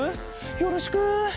よろしく。